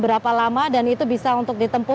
berapa lama dan itu bisa untuk ditempuh